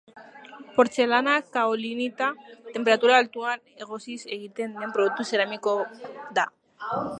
Portzelana kaolinita tenperatura altuan egosiz egiten den produktu zeramiko da